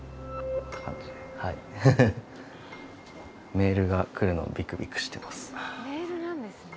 メールが来るのをビクビクしてます。